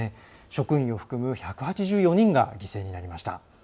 職員を含む１８４人が犠牲になりました。